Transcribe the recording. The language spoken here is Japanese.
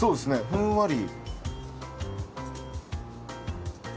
ふんわり。